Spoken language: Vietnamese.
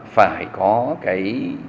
phải có cái